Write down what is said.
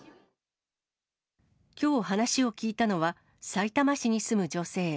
きょう話を聞いたのは、さいたま市に住む女性。